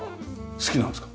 好きなんですか？